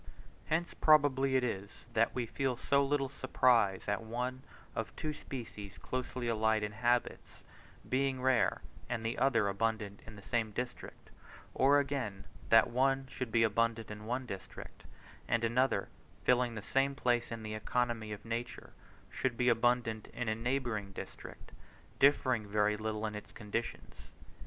Hence probably it is, that we feel so little surprise at one, of two species closely allied in habits, being rare and the other abundant in the same district; or, again, that one should be abundant in one district, and another, filling the same place in the economy of nature, should be abundant in a neighbouring district, differing very little in its conditions.